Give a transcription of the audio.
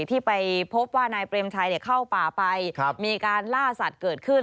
ที่ไปพบว่านายเปรมชัยเข้าป่าไปมีการล่าสัตว์เกิดขึ้น